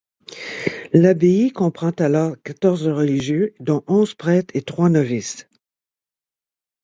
L'abbaye comprend alors quatorze religieux dont onze prêtres et trois novices.